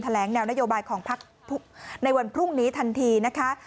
เตรียมแถลงแนวนโยบายของภักดิ์ในวันพรุ่งนี้ทันทีนะคะ